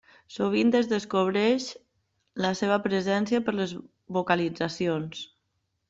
Sovint es descobreix la seva presència per les vocalitzacions.